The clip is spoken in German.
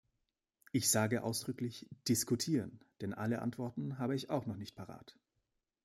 Ich sage ausdrücklich "diskutieren", denn alle Antworten habe ich auch noch nicht parat.